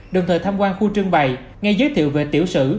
đồng thời tham quan khu trưng bày ngay giới thiệu về tiểu sử